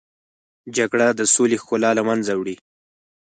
جګړه د سولې ښکلا له منځه وړي